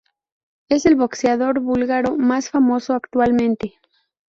Es el boxeador búlgaro más famoso actualmente.